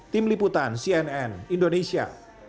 tim liputan cnn indonesia